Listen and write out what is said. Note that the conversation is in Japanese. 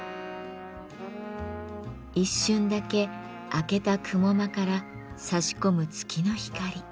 一瞬だけあけた雲間からさし込む月の光。